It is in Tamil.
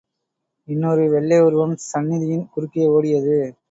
இன்னொரு வெள்ளை உருவம் சந்தியின் குறுக்கே ஓடியது.